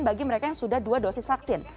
bagi mereka yang sudah dua dosis vaksin